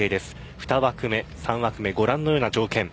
２枠目、３枠目ご覧のような条件